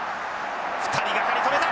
２人掛かりで止めた！